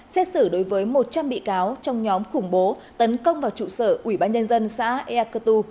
xét xử đối với một trăm linh bị cáo trong nhóm khủng bố tấn công vào trụ sở ủy ban nhân dân xã eakatu